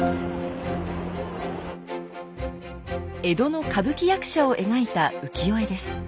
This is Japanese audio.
江戸の歌舞伎役者を描いた浮世絵です。